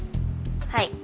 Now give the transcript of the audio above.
はい。